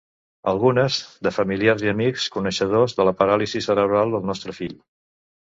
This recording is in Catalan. Algunes, de familiars i amics coneixedors de la paràlisi cerebral del nostre fill.